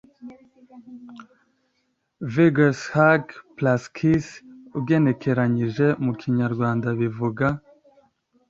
“Vegas hug+kiss(ugenekereje mu Kinyarwanda bivuga